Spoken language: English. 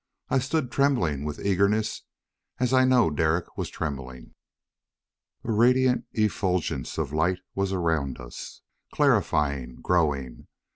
I stood trembling with eagerness, as I know Derek was trembling. A radiant effulgence of light was around us, clarifying, growing.